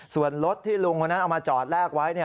ส่วนรถที่ลุงคนนั้นเอามาจอดแลกไว้